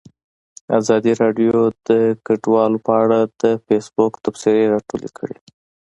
ازادي راډیو د کډوال په اړه د فیسبوک تبصرې راټولې کړي.